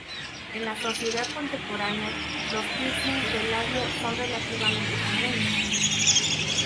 En la sociedad contemporánea, los piercings del labio son relativamente comunes.